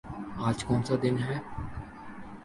آج کونسا دن ہے؟